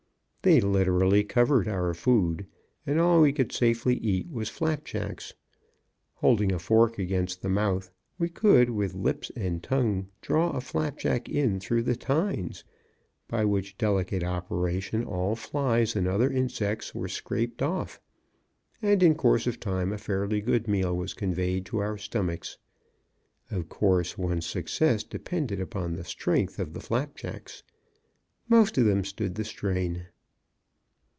They literally covered our food and all we could safely eat was flapjacks. Holding a fork against the mouth, we could with lips and tongue draw a flapjack in through the tines, by which delicate operation all flies and other insects were scraped off; and in course of time a fairly good meal was conveyed to our stomachs. Of course, one's success depended upon the strength of the flapjacks. Most of them stood the strain.